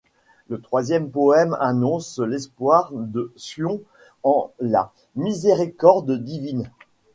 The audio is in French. Le troisième poème annonce l’espoir de Sion en la miséricorde divine.